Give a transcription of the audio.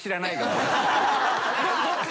どどっち？